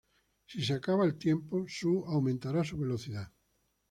Si se acaba el tiempo, Sue aumentará su velocidad.